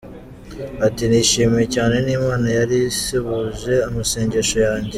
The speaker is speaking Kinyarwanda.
Ati “ Nishimye cyane, ni Imana yari isubije amasengesho yanjye.